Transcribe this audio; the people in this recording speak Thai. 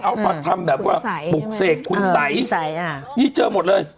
เอามาทำแบบว่าบุกเสกคุ้นใสคุ้นใสอ่ะนี่เจอหมดเลย